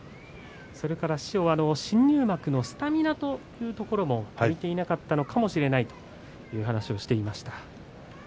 それから新入幕のスタミナというところも利いていなかったのかもしれないと師匠は話していました。